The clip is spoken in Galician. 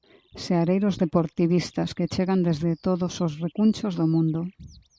Seareiros deportivistas que chegan desde todos os recunchos do mundo.